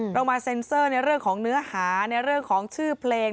เรามาเซ็นเซอร์ในเรื่องของเนื้อหาในเรื่องของชื่อเพลง